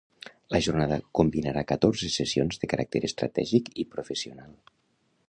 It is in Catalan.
La jornada combinarà catorze sessions de caràcter estratègic i professional.